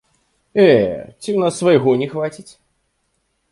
Э, ці ў нас свайго не хваціць?